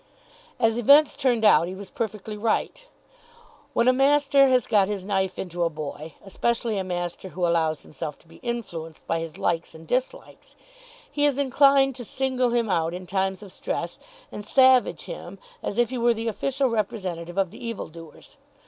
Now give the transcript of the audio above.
As events turned out, he was perfectly right. When a master has got his knife into a boy, especially a master who allows himself to be influenced by his likes and dislikes, he is inclined to single him out in times of stress, and savage him as if he were the official representative of the evildoers.